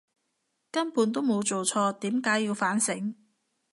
根本都冇做錯，點解要反省！